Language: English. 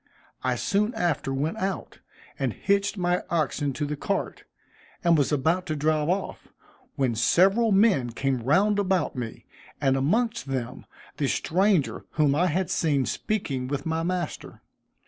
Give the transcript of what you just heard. I soon after went out, and hitched my oxen to the cart, and was about to drive off, when several men came round about me, and amongst them the stranger whom I had seen speaking with my master.